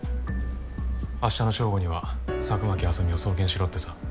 明日の正午には佐久巻麻美を送検しろってさ。